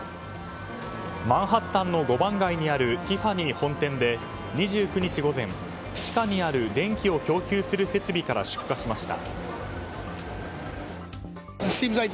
マンハッタンの５番街にあるティファニー本店で２９日午前、地下にある電気を供給する設備から出火しました。